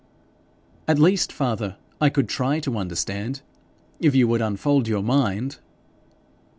'At least, father, I could try to understand, if you would unfold your mind.'